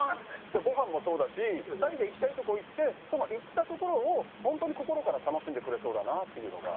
ごはんもそうだし２人で行きたいとこ行ってその行った所を本当に心から楽しんでくれそうだなっていうのが。